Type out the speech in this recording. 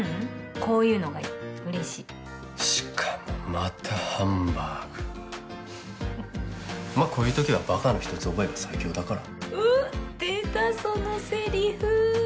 こういうのがいいうれしいしかもまたハンバーグふふっまこういうときはバカの一つ覚えが最強だからうっ出たそのセリフ！